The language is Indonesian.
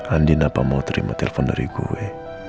andi napa mau terima telepon dari gue